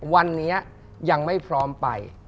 วันนี้ยังไม่พร้อมไป